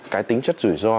cái tính chất rủi ro